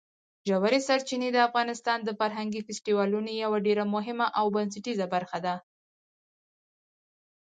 ژورې سرچینې د افغانستان د فرهنګي فستیوالونو یوه ډېره مهمه او بنسټیزه برخه ده.